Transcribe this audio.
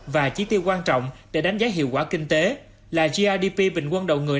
và chỉ tiêu quan trọng để đánh giá hiệu quả kinh tế là grdp bình quân đầu người